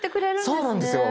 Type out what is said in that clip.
そうなんですよ。